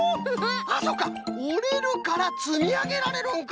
あっそうかおれるからつみあげられるんか！